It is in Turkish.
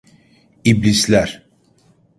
İblisler.